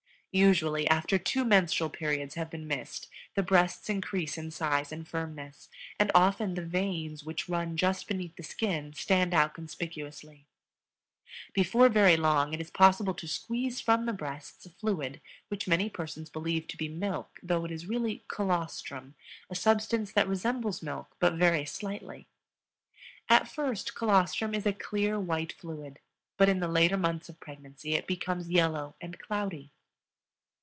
Usually, after two menstrual periods have been missed the breasts increase in size and firmness, and often the veins which run just beneath the skin stand out conspicuously. Before very long it is possible to squeeze from the breasts a fluid which many persons believe to be milk, though it is really colostrum, a substance that resembles milk but very slightly. At first colostrum is a clear, white fluid, but in the later months of pregnancy it becomes yellow and cloudy.